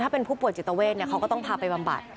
ถ้าเป็นผู้ป่วยจิตเวทเขาก็ต้องพาไปบำบัด